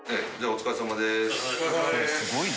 お疲れさまです。